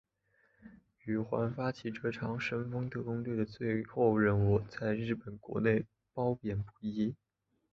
宇垣发起的这场神风特攻队的最后任务在日本国内褒贬不一。